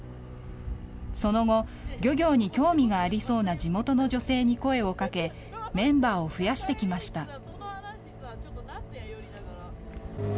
その後、漁業に興味がありそうな地元の女性に声をかけ、メンバーを増やしてきました。